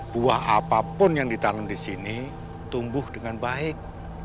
buah apapun yang ditanam di sini tumbuh dengan baik